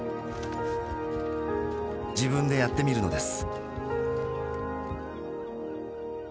自分でやってみるのです。